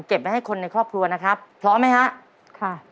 ไว้ให้คนในครอบครัวนะครับพร้อมไหมฮะค่ะ